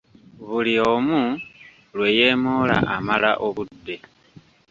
Buli oli lwe yeemoola amala obudde.